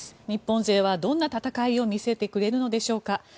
日本勢はどんな戦いを見せてくれるのでしょうか。